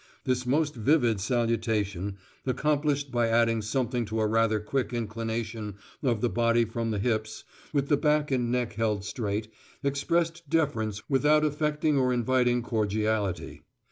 This most vivid salutation accomplished by adding something to a rather quick inclination of the body from the hips, with the back and neck held straight expressed deference without affecting or inviting cordiality.